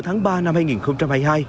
tháng ba năm hai nghìn hai mươi hai